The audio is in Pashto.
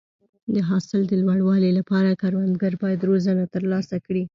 د حاصل د لوړوالي لپاره کروندګر باید روزنه ترلاسه کړي.